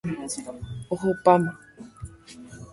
Ohopáma.